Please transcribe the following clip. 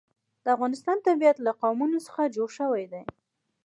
د افغانستان طبیعت له قومونه څخه جوړ شوی دی.